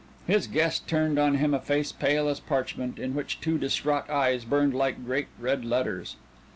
His guest turned on him a face pale as parchment in which two distraught eyes burned like great red letters.